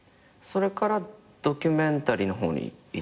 それからドキュメンタリーの方に？